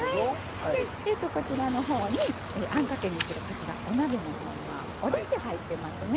こちらのほうにあんかけにするお鍋のほうにはおだしが入っていますね。